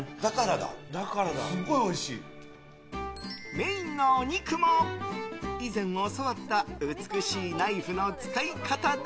メインのお肉も、以前教わった美しいナイフの使い方で。